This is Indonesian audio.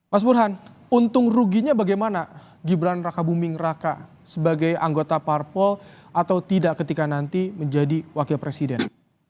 mas burhan untung ruginya bagaimana gibran raka buming raka sebagai anggota parpol atau tidak ketika nanti menjadi wakil presiden